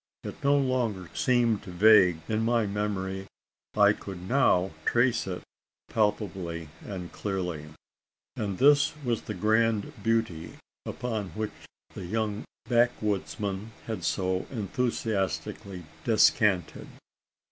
It no longer seemed vague, in my memory: I could now trace it palpably and clearly. And this was the grand beauty upon which the young backwoodsman had so enthusiastically descanted.